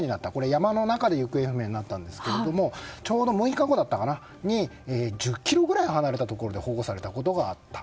山の中で行方不明になったんですけれどもちょうど６日後だったかな１０ｋｍくらい離れたところで保護されたことがあった。